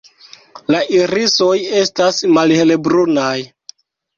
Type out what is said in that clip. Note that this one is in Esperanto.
La irisoj estas malhelbrunaj.